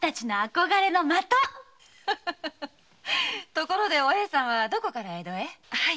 ところでお栄さんはどこから江戸へ？